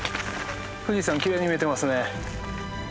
富士山きれいに見えてますね。